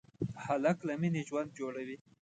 هلک له مینې ژوند جوړوي.